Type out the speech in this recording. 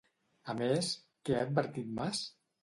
A més, què ha advertit Mas?